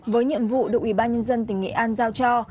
với nhiệm vụ được ủy ban nhân dân tỉnh nghệ an giao cho